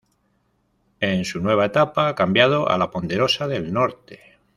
En su nueva etapa ha cambiado a "La Poderosa del Norte".